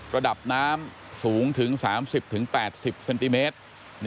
ระดับน้ำสูงถึง๓๐๘๐เซนติเมตร